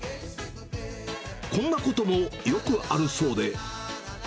こんなこともよくあるそうで。